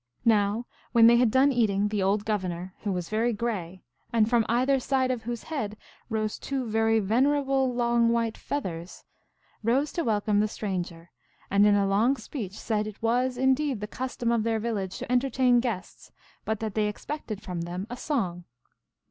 Now, when they had done eating, the old Governor, who was very gray, and from either side of whose head rose two very venerable, long white feathers, rose to welcome the stranger, and in a long speech said it was, indeed, the custom of their village to entertain guests, but that they expected from them a song.